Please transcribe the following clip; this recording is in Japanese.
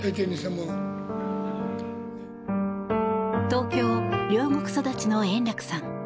東京・両国育ちの円楽さん。